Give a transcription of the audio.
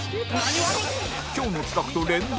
今日の企画と連動？